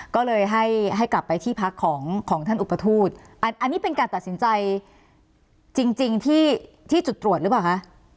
ก็เลยให้ให้กลับไปที่พักของท่านอุปทูตอันนี้เป็นการตัดสินใจจริงที่จุดตรวจหรือเปล่าคะ